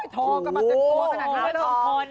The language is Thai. โท่ก็มาเจื้อกันนะทุกคน